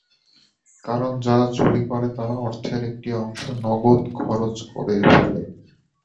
কারণ যারা চুরি করে তারা অর্থের একটি অংশ নগদ খরচ করে ফেলে।